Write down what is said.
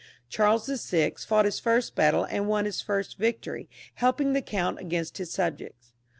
Charles VI. fought his first battle, and won his first victory, helping the count against his subjects.